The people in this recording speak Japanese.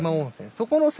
そこのあ。